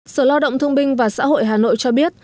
sở lao động thương binh và xã hội hà nội cho biết